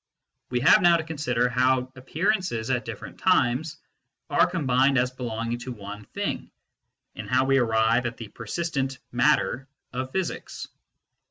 We have now to consider how appearances at different times are combined as belonging to one " thing/ and how we arrive at the persistent " matter " of physics.